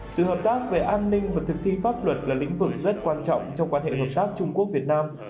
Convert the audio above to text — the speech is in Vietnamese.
sự hợp tác về an ninh và thực thi pháp luật là lĩnh vực rất quan trọng trong quan hệ hợp tác trung quốc việt nam